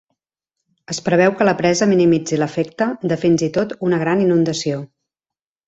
Es preveu que la presa minimitzi l'efecte de fins i tot una gran inundació.